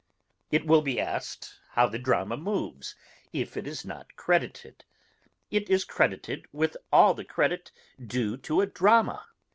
It will be asked, how the drama moves, if it is not credited. It is credited with all the credit due to a drama.